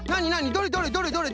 どれどれどれどれ？